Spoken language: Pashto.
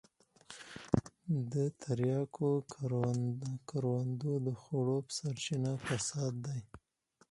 د تریاکو کروندو د خړوب سرچينه فساد دی.